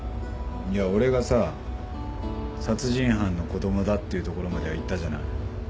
いや俺がさ殺人犯の子供だっていうところまではいったじゃない。